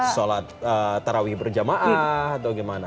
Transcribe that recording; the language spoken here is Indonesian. sholat tarawih berjamaah atau gimana